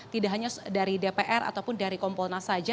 tidak hanya dari dpr ataupun dari kompolnas saja